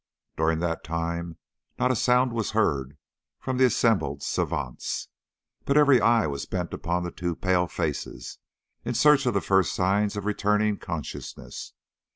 During that time not a sound was heard from the assembled savants, but every eye was bent upon the two pale faces, in search of the first signs of returning consciousness.